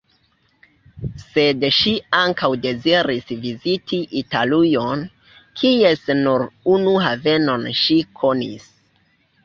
Sed ŝi ankaŭ deziris viziti Italujon, kies nur unu havenon ŝi konis.